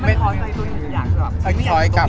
แม็กซ์ก็คือหนักที่สุดในชีวิตเลยจริง